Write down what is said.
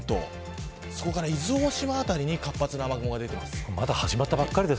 東京湾から三浦半島伊豆大島辺りに活発な雨雲が出ています。